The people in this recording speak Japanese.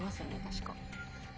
確か。